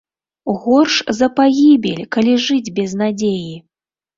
Горш за пагібель, калі жыць без надзеі!